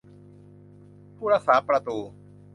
ผู้รักษาประตู